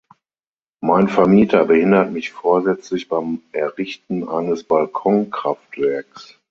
Mein Vermieter behindert mich vorsätzlich beim Errichten eines Balkonkraftwerks.